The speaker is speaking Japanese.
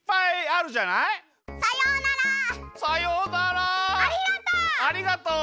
ありがとう！